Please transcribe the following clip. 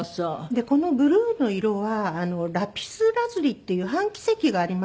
でこのブルーの色はラピスラズリっていう半貴石がありますけれども。